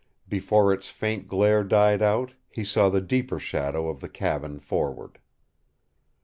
Before its faint glare died out, he saw the deeper shadow of the cabin forward.